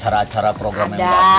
ya tapi inilah proses